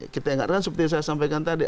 kita ingatkan seperti yang saya sampaikan tadi